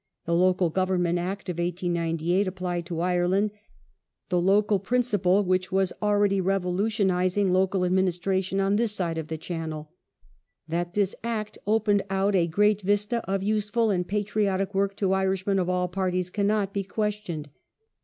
The Local Government Act of 1898 appUed to Ireland the elective principle which was already revolutionizing local administration on this side of the Channel. That this Act opened out a " great vista of useful and patriotic work "^ to Irishmen of all parties cannot be questioned.